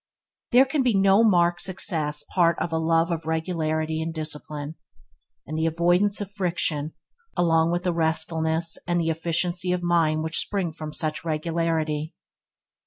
There can be no marked success part from a love of regularity and discipline, and the avoidance of friction, along with the restfulness and efficiency of mind which spring from such regularity.